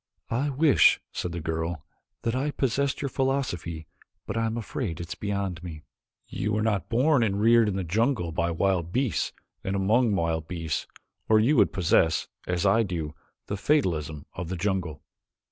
"I wish," said the girl, "that I possessed your philosophy but I am afraid it is beyond me." "You were not born and reared in the jungle by wild beasts and among wild beasts, or you would possess, as I do, the fatalism of the jungle."